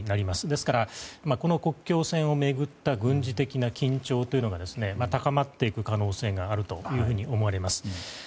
ですから、この国境線を巡った軍事的な緊張が高まっていく可能性があると思われます。